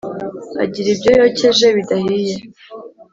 Agira ibyo yokeje bidahiye